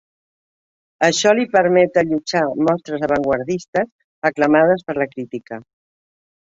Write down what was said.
Això li permet allotjar mostres avantguardistes aclamades per la crítica.